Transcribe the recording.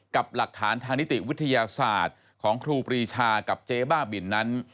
กับหลักฐานทางนิติวิทยาศาสตร์ของครูปรีชากับเจ๊บ้าบินนั้น